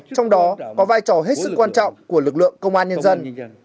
trong đó có vai trò hết sức quan trọng của lực lượng công an nhân dân